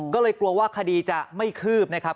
ก็เลยกลัวว่าคดีจะไม่คืบนะครับ